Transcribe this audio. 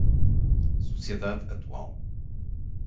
Sociedade atual